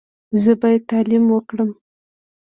زه باید تعلیم وکړم.